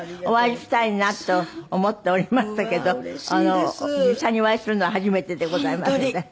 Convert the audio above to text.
お会いしたいなと思っておりましたけど実際にお会いするのは初めてでございますので。